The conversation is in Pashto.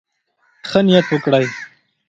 ښه نيت وکړئ.